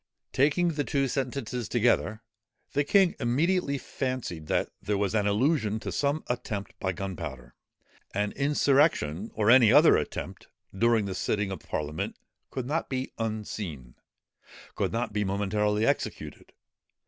_ Taking the two sentences together, the king immediately fancied that there was an allusion to some attempt by gunpowder. An insurrection, or any other attempt, during the sitting of parliament, could not be unseen; could not be momentarily executed.